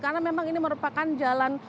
karena memang ini merupakan jalan